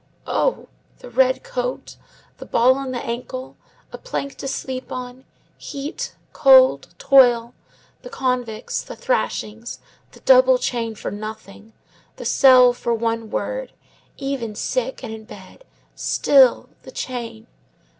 "Oh, the red coat, the ball on the ankle, a plank to sleep on, heat, cold, toil, the convicts, the thrashings, the double chain for nothing, the cell for one word; even sick and in bed, still the chain!